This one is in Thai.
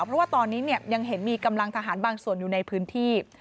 เพราะว่าตอนนี้ยังเห็นมีกำลังทหารบางส่วนอยู่ในพื้นที่